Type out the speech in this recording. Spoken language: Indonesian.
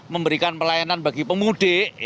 memberikan pelayanan bagi pemudik